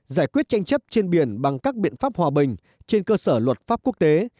giải quyết tranh chấp trên biển bằng các biện pháp hòa bình trên cơ sở luật pháp quốc tế